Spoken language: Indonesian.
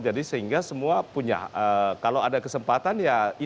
jadi sehingga semua punya kalau ada kesempatan ya itu wajar saja untuk dilakukan